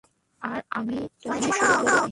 আর আমিই তা প্রথমে শুরু করছি।